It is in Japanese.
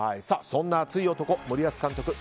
そんな熱い男・森保監督